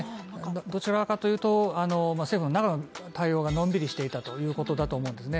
どちらかと言うと政府の中の対応がのんびりしていたということだと思うんですね